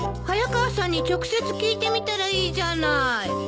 早川さんに直接聞いてみたらいいじゃない。